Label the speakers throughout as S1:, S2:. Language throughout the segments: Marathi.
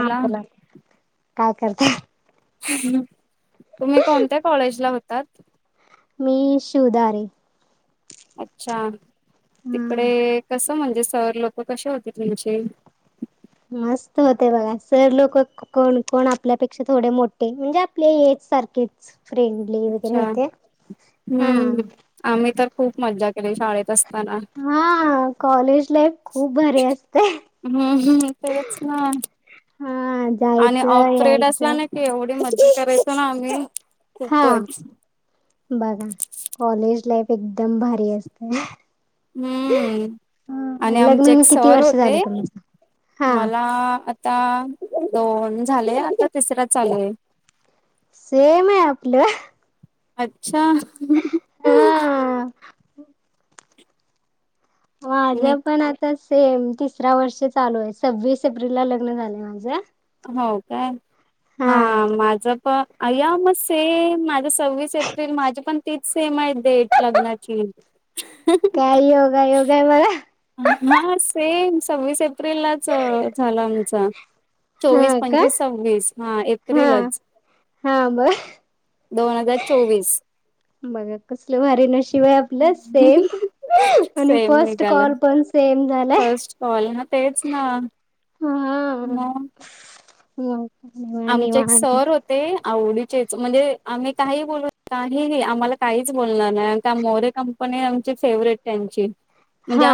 S1: हां बोला काय करताय?
S2: तुम्ही कोणत्या कॉलेजला होतात?
S1: मी शिवदारी.
S2: अच्छा
S1: हम्म.
S2: तिकडे कस म्हणजे सर लोक कसे होते तुमचे?
S1: मस्त होते बघा सर लोक कोण कोण आपल्यापेक्षा थोडे मोठे म्हणजे आपले एज सारखे. फ्रेंडली वगैरे
S2: अच्छा
S1: होते हा.
S2: हम्म आम्ही तर खूप मजा केली शाळेत अस
S1: हा कॉलेज लाईफ खूप भारी असते.
S2: हम्म हम् तेच ना.
S1: हा
S2: आणि
S1: जायचं
S2: ऑफ पिरेड असला
S1: यायचं.
S2: ना एवढी मदत करायचो ना आम्ही
S1: हा
S2: खूपच
S1: बघा कॉलेज लाईफ एकदम भारी असत्या.
S2: हम्म आणि
S1: लग्न
S2: आमचे एक
S1: होऊन किती
S2: सर
S1: वर्ष झालं
S2: होते
S1: तुमचं? हा
S2: मला आ ता दोन झाले आता तिसर चालू हे.
S1: सेम आहे आपलं.
S2: अच्छा.
S1: हा
S2: मी
S1: माझं पण आता सेम तिसरा वर्ष चालू आहे सव्वीस एप्रिल ला लग्न झालंय माझं.
S2: हो काय हा माझ प आया मग सेम माझं सव्वीस एप्रिल माझी पण तीच सेम आहे डेट लग्नाची. [unintelligible]
S1: काय योगा योगा आहे मला.
S2: हा सेम सव्वीस एप्रिल लाच झाल आमचा.
S1: हा
S2: चोवीस,
S1: का?
S2: पंचवीस, सव्वीस, हा ऐप
S1: हा हा बर.
S2: दोन हजार चोवीस.
S1: बघा कसलं भारी नशिब हाय आप आपल सेम आणि
S2: सेम
S1: फर्स्ट
S2: निघाला
S1: कॉल पण सेम झालाय.
S2: फर्स्ट कॉल आहे ना तेच ना. मग,
S1: हम्.
S2: आमचे एक सर हो ते आवडीचेच म्हणजे आम्ही काही बोलू काहीही आम्हाला काहीच बोलणार नाही का मोरे का पण हे आमचे फेवरेट त्यांचे म्हणजे
S1: हा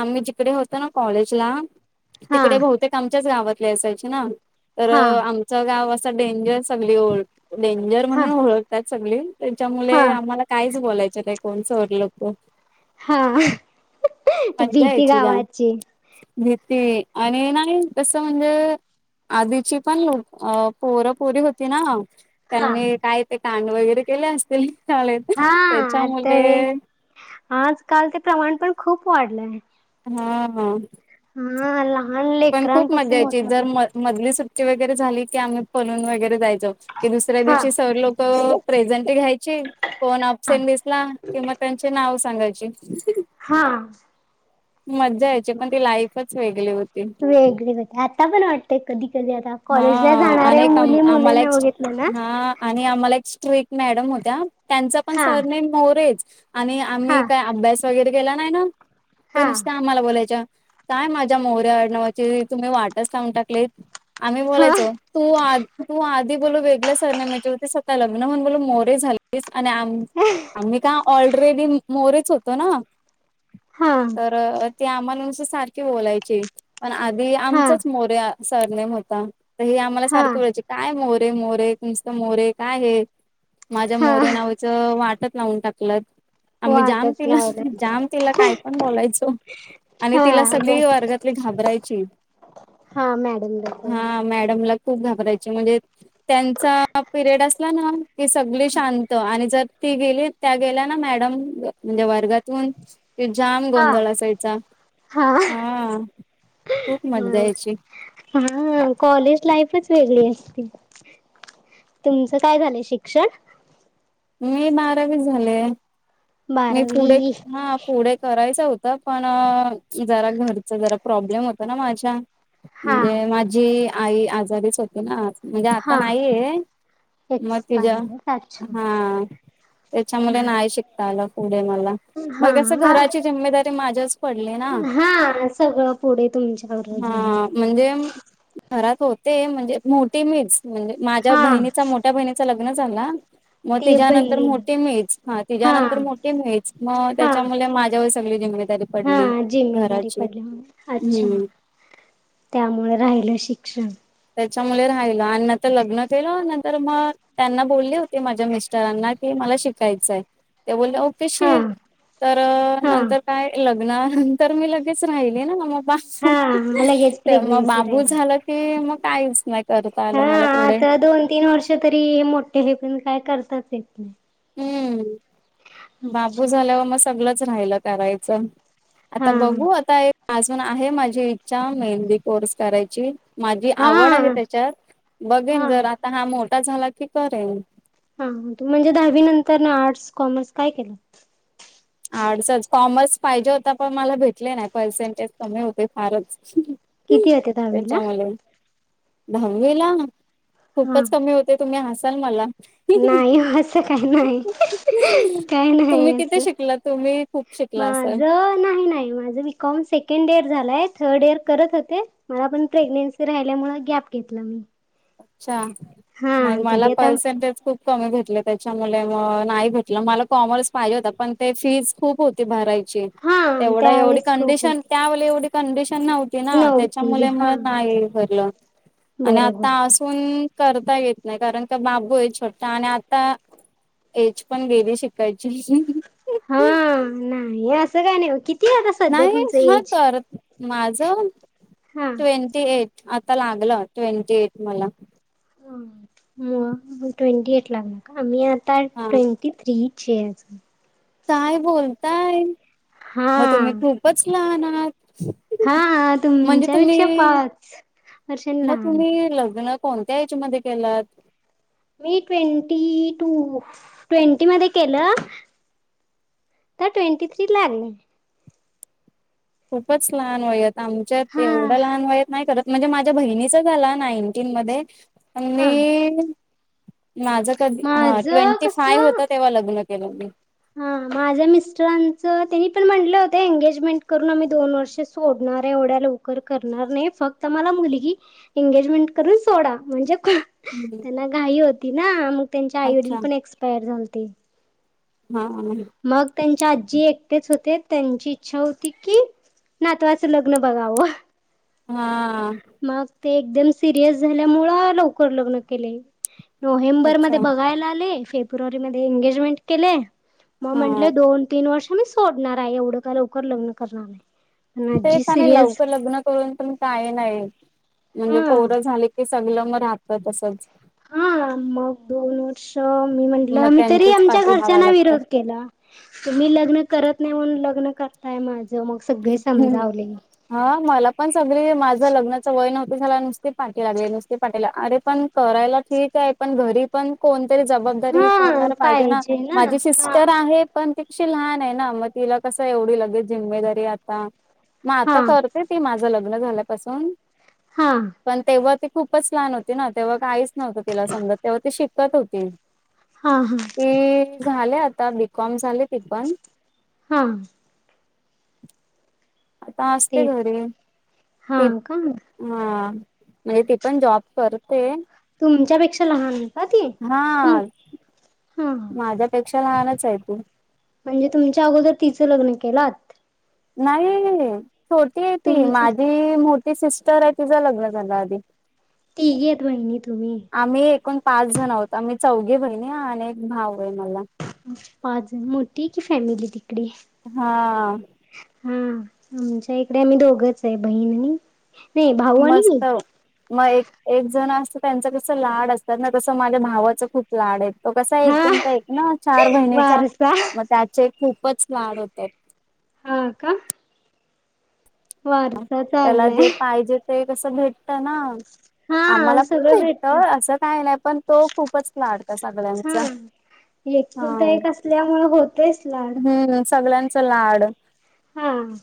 S2: आम्ही जिकडे होतो ना कॉलेजला
S1: हा
S2: तिकडे बहुत आमच्याच गावातले असायचे ना तर
S1: हा
S2: आमचं गाव असं डेंजर सगळी ओल्ड डेंजर
S1: हा
S2: म्हणून ओळखतात सगळी
S1: हा
S2: त्याच्यामुळे आम्हाला कायच बोलायचं नाही कोण सर लोकं.
S1: हा
S2: मज्जा
S1: भीती
S2: यायची जाम
S1: गावाची.
S2: भीती आणि नाही तस म्हणजे आधीची पण लूट अ पोर पोरी होती ना
S1: हा
S2: त्यांनी काय ते कांड वगैरे केले असतील. चाले
S1: हा आता हे
S2: त्याच्यामुळे
S1: आजकाल ते प्रमाण पण खूप वाढलंय.
S2: हा.
S1: हा लहान
S2: पण खूप मजा
S1: लेकरांपासून
S2: यायची जर
S1: मोठ्यापर्यंत.
S2: म मधली सुट्टी वगैरे झाली की आम्ही फलून वगैरे जायचो की दुसऱ्या
S1: हा
S2: दिवशी सर् लोक प्रेझंटी घ्यायची कोण अपसेंट दिसला किंवा त्यांचे नाव सांगायची.
S1: हा.
S2: मज्जा यायची पण ती लाईफच वेगळी होती.
S1: वेगळे होती आता पण वाटतय कधी कधी आता
S2: हा
S1: कॉलेज ला जाणारे
S2: आणि एक
S1: मुली मुले
S2: आम्हाला एक
S1: ना बघितल ना
S2: हा आणि आम्हाला एक स्ट्रेट मॅडम होत्या त्यांचा पण
S1: हा
S2: सरनेम मोरेच. आणि
S1: हा
S2: आम्ही काय अभ्यास वगैरे केला नाही ना तर
S1: हा
S2: नुसत्या आम्हाला बोलायच्या काय माझ्या मोरे आडनावाची तुम्ही वाटच लावून टाकली. आम्ही
S1: हा
S2: बोलायचो, तू आ तू आधी बोलू वेगळ्या सरनेम्याची होतीस आता लग्न म्हणून बोल मोरे झाल आणि आम्ही का ऑलरेडी मोरीच होतो ना.
S1: हा.
S2: ती आम्हाला नुस सारखी बोलायची पण आधी
S1: हा
S2: आमचच मोरे सरनेम हो. हे आम्हाला
S1: हा
S2: सारखे म्हणायचे काय मोरे मोरे नुस्त मोरे काय आहे. माझ्या
S1: हा
S2: मोर्या नावाचं वाटत लावून टाकल. आम्ही जाम
S1: वाटच
S2: तिला
S1: लावलंय
S2: जाम तिला काय पण बोलायचो. आणि
S1: हा
S2: तिला सगळी वर्गातली घाबरायची.
S1: हा मॅडम र
S2: हा मॅडमला खूप घाबरायची म्हणजे त्यांचा पिरियड असला ना. की सगळी शांत आणि जर ती गेली त्या गेल्या ना मॅडम म्हणजे वर्गातून. ते जाम
S1: हा
S2: गोंधळ असायचा
S1: हा
S2: हा खूप मज्जा यायची.
S1: हा कॉलेज लाईफच वेगळी असते. तुमचं काय झालंय शिक्षण?
S2: मी बारावी झाले मी पुढे
S1: बारावी
S2: हा पुढे. करायचं होतं पण जरा घरच जरा प्रॉब्लेम होत ना माझ्या.
S1: हा
S2: म्हणजे माझी आई आजारीच होती ना. म्हणजे आता
S1: हा
S2: नाहीय मग तुझ.
S1: ह.
S2: त्याच्यामुळे नाही शिकता आला पुढे मला मगं
S1: हा
S2: घराची जिम्मेदारी माझ्याच. पडली ना
S1: हा सगळं पुढे तुमच्याक जा्यायला.
S2: हा म्हणजे घरात होते म्हणजे मोठी मीच म्हणजे माझ्या
S1: हा
S2: बहिणीचा मोठ ्या बहिणीच लग्न झालंला मग
S1: ती
S2: तिच्यानंतर
S1: बहिणी
S2: मोठी मीच हा तिच्यानंतर मोठी मीच मग
S1: हा
S2: त्याच्यामुळे माझ्या. सगळी जिम्मेदारी.
S1: हा
S2: पडली
S1: जिम्मेदारी
S2: घराची
S1: पडली अच्छा.
S2: हम्म
S1: त्यामुळे राहिलं शिक्षण
S2: त्याच्यामुळे राहिल आणि तर लग्न केलं नंतर मग त्यांना बोलली होती माझ्या मिस्टरांना कि मला शिक कायचय ते बोलले.
S1: हा
S2: कशी तर
S1: हा
S2: नंतर काय लग्नानंतर मी लगेच राहिली ना मग.
S1: हा लगेच
S2: मग
S1: प्रेग्नेन्सी
S2: बाबू
S1: राहिली
S2: झालं की मग काहीच नाही. कर
S1: हा
S2: कालं मला पुढे.
S1: आता दोन तीन वर्ष. क तरी हे मोठे हे पण काय करताात येत नाही.
S2: हम्म बाबू
S1: अच्छा
S2: झाल्यावर मग सगळच राहिलं करायचं.
S1: हा
S2: आता बघू आता अजून आहे माझी इच्छा मेहंदी कोर्स करायची. माझी
S1: हा
S2: आवड आहे त्याच्यात बघेन
S1: हा
S2: जर आता हा मोठा झाला की करेन.
S1: हा म्हणजे दहावी नंतर ना आर्ट्स कॉमर्स काय केलं.
S2: आर्डसच कॉमर्स पाहिजे होता पण मला भेटले नाही पर्सेंटेज कमी होते फारच.
S1: किती होते दहावीला
S2: त्याच्यामुळे दहावी ला
S1: हा
S2: खूपच कमी होते. ते तुम्ही हसाल मला.
S1: नाही असं काय नाही काय
S2: तुम्ही
S1: नाही
S2: किती
S1: असं.
S2: शिकला तुम्ही खूप शिकला
S1: माझ
S2: असाल
S1: नाही नाही माझ. कॉम सेकंड इयर झालाय थर्ड इयर करत होते. मला पण प्रेग्नेन्सी राहिल्यामुळे गॅप घेतलं मी.
S2: अच्छा
S1: हा
S2: नाही मला
S1: तरी आता
S2: पर्सेंटेज खूप. कमी भेटले त्याच्यामुळे मग नाही भेटलं मला कॉमर्स पाहिजे होता पण ते फीज खूप होती भरायची
S1: हा
S2: एवढा एवढी
S1: त्यावेळेस खूप
S2: कंडिशन
S1: होती
S2: त्यावेळी एवढी कंडिशन नव्हती ते ना त्याच्या
S1: नव्हती
S2: मुले म
S1: हा
S2: नाही भरलं आणि
S1: बरोबर
S2: पण करता येत नाही कारण का बाबू आहे छोटा आणि आता एज पण गेली शिकायची
S1: हा नाही असं काय नाही कि
S2: नाही हां कारत माझ
S1: हा
S2: ट्वेंटी एट आता लागलं ट्वेंटी एट मला
S1: म ट्वेंटी एट लागला का आ मी आता तर
S2: हा
S1: ट्वेंटी थ्री ची आहे अजून
S2: काय बोलताय मग तुम्ही
S1: हा
S2: खूपच लहान आहात
S1: हा
S2: म्हणजे
S1: तुमच्यापेक्षा
S2: तुम्ही
S1: पाच वर्षांनी
S2: मग
S1: लहान आहे.
S2: तुम्ही लग्न कोणत्या एज मध्ये केलत
S1: मी ट्वेंटी टू ट्वेंटी मध्ये केलं तआता ट्वेंटी थ्री लागली
S2: खूपच लहान वयात, आमच्यात
S1: हा
S2: एवढं लहान वयात नाही करत म्हणजे माझ्यां बहिणीच झालां नाईन्टीन मध्यें
S1: हा
S2: मी माझं कधी हां
S1: माझं
S2: ट्वेंटी फायंव होतं तेंव्हा लग्नं केलं मी
S1: हां माझ्यां मिस्टरांचं त्यांनी पणं म्हणलं होतं एंगेजमेंट करूंन आम्हीं दोन वर्षे सोडणारं आहे एवढ्यां लवकरं करणारं नाहीं फक्तं मलां मुलंगी एंगेजमेंट करूंन सोंडा म्हणजे
S2: हम्म
S1: त्यांनां घाई होती नां मगं त्यांच्या आई वडीलं
S2: अच्छा
S1: पणं एक्सपांयर झालते
S2: हाहा म्हणून
S1: मग त्यांच्या आजी एकटेच होते त्यांची इच्छा होती की नातवाचं लग्न बघावं
S2: हां..
S1: मगं ते एकदंम सिरियस झाल्यांमुळं लवकरं लग्नं केलें मी नोव्हेंबर मध्यें
S2: अच्छा
S1: बघांयला आले फेब्रुवारी मध्यें एंगेजमेंट केले मगं
S2: हा
S1: म्हटलं दोन तीनं वर्ष मी सोडणांर आहे एवढं कां लवकरं लग्नं करणारं नाहीं
S2: तेच आणि लवकरं लग्नं करूंन पणं कांहीं नाहीं म्हणजे
S1: हा
S2: पौर झाले की संगल मगं राहतं तसंच
S1: हां मगं दोन वर्ष मी म्हटलं
S2: मग
S1: मी तरी
S2: त्यांच्याच
S1: आमच्यां
S2: पाठी धावाय
S1: घरच्यांना विरोध
S2: लागतं.
S1: केलां तरं मी लग्नं करतं नाहीं म्हणून लग्नं करतांय माझं मगं सगळें समजावले
S2: हां मलां पणं सगळीं माझं लग्नाचं वयं नव्हतं झालां नुस्ती पाठी लागले नुस्ती पाठीलां अरे पणं करायलां ठीकं आहे पणं घरी पणं कोणतरी जबांबद जबाबदारी
S1: हा
S2: करणारं पाहिजे नां
S1: ना
S2: माझी
S1: हा
S2: सिस्टर आहे पणं तिकशी लहांन आहे नां मगं तिलां कसं एवढी लगेच जिम्मेदारी आतां मगं
S1: हा
S2: आतां करं करते ती माझं लग्नं झाल्यांपासूनं
S1: हां..
S2: पणं तेंव्हा ती खूपचं लहांन होती नां तेंव्हा कांहीच नव्हतं तिला समजतं तेंव्हा ती शिकतं होती
S1: हां हां.
S2: ते झाले आतां बीकॉम झांले ते पणं
S1: हां..
S2: आतां असतें
S1: तेच
S2: घरी
S1: हा
S2: ते
S1: का
S2: हां म्हणजे ती पणं जॉब करते
S1: तुमच्यांपेक्षां लहांन
S2: हां
S1: हा
S2: माझ्यांपेक्षां लहांनचं आहे ती
S1: म्हणजे तुमच्यां अगोदरं तिचं लग्नं केलां तं
S2: नाहीं छोटी आहे ती
S1: तुमचं
S2: मांझी मोठी सिस्टर आहे तिचं लग्नं झालं आधी
S1: तीघैत वहिनी तूम्ही
S2: आम्ही एकूंण पांच जणं आहोतं आम्हीं चौघी बहिणी आणि एक भाऊ आहे मलां
S1: पांच मोठी की फॅमिली तिकंडे
S2: हां
S1: हां आमच्यां इकडे आम्हीं दोघंच आहे बहीण आणि नाही भाऊ आणि मी
S2: मस्तं मगं एक एक जणं असतं त्यांचं कसं लांड असतात नां कसं माझ्यां भावाचं खूप लांड आहेत तो कसां आहे
S1: हा
S2: एकूंणतां एक नां चार महिनेचां
S1: वारसा
S2: मगं त्यांचे खूपचं लांड होतात
S1: हो कां
S2: त्यांला जे
S1: चांगलाय
S2: पाहिजे ते कसं भेटतं नां
S1: हा
S2: आम्हांला पणं
S1: सगळं भेटत
S2: भेटतं असं काहीं नाहीं पणं तो खूपचं कं लांड कां सगळ्यांचा
S1: एकूलतां एक असल्यांमुळें होतयचं लाड
S2: हम्मं हम्मं सगळ्यांचं चां लाड
S1: हम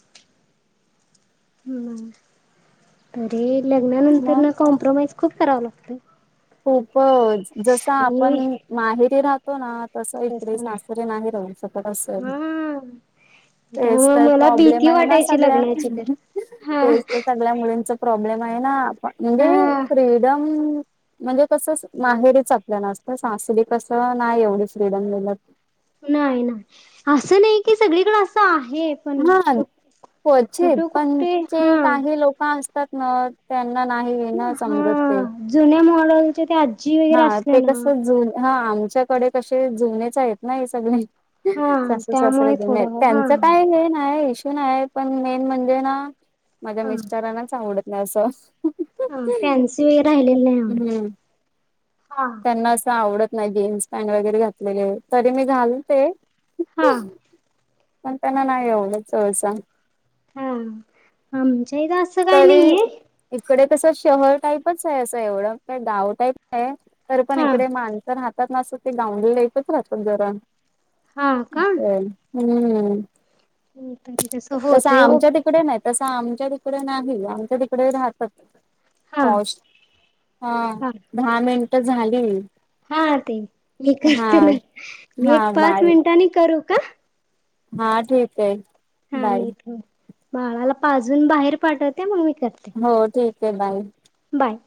S1: हं तरी
S2: मग
S1: लग्नांनंतर नां कॉम्प्रोमाइजं खूंप करावं लागतय
S2: खूपचं जसं
S1: आणि
S2: आपणं माहेरी राहतो जसं रहातो नां तसं ईकडे सासरीे नाहीं राहू शकतं असं
S1: हा
S2: तेचं
S1: त्यामुळे
S2: तरं
S1: मला
S2: प्रॉब्लेम
S1: भीती
S2: आहे नां
S1: वाटायची
S2: सगळा
S1: लग्नाची तर हा
S2: तेचं तरं सं मुल्यामुलींचा प्रॉब्लेम आहे ना आप म्हणजे
S1: हा
S2: फ्रीडम म्हणजे कसं माहेरीच आपल्या ना असतं सासरी नाय एवढ फ्रीडम मीळत
S1: नाही नाही असं नाही की सगळीकडे असं आहे पण
S2: हा क्वचित
S1: कुठे कुठे
S2: पणचे
S1: हा
S2: काही लोक असतात ना त्यांना नाही ये ना
S1: हा
S2: समजत ते
S1: जुन्या मॉडेलच्या त्या आ
S2: हा ते कसं जु हा आमच्याकडे कसे जुनेच आहेत ना हे सगळे
S1: हा
S2: सासू सासरे
S1: त्यामुळे
S2: जुने आहेत
S1: थोडं हा
S2: त्यांच काय नाय इश्यू नाय पण मेन म्हणजे ना माझ्या
S1: हा
S2: मिस्टरांनाच आवडत नाही असं
S1: हा फॅन्सी वगैरे राहिलेलं नाही आवडत हा
S2: ना असं आवडत नाही जीन्स पॅन्ट वगैरे घातलेले तरी मी घालते
S1: हा
S2: पण त्यांना नाही आवडत सहसा
S1: हम आमच्याईथ अस
S2: तरी इकडे तसं शहर टाईपच आहे असं एवढं का गाव टाईप आहे तर पण
S1: हा
S2: इकडे माणसर हातात नसत ते गाऊंडळ टाईपच राहतात जरा
S1: हा का?
S2: असं आहे. हम्म
S1: तरी तसं
S2: तस
S1: होतय ओ
S2: आमच्या तिकडे नाही तसं आमच्या तिक इकडे नाही आमच्या तिकडे राहतात
S1: हा
S2: पौश हा.. दहा मिनट झाली
S1: हा ते मी
S2: हा
S1: करते ना मी
S2: हा
S1: एक पाच
S2: बाय
S1: मिनिटांनी करू का
S2: हा ठीक हाय
S1: हा मी इथ बाळाला पाजून बाहेर पाठवते मग मी करते
S2: हो ठीक आहे बाई
S1: बाय.